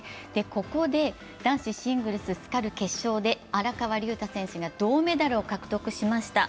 ここで男子シングルスカル決勝で荒川龍太選手が銅メダルを獲得しました。